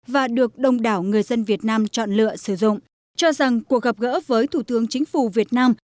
và được đông đảo người dân việt nam chọn lựa sử dụng cho rằng cuộc gặp gỡ với thủ tướng chính phủ việt nam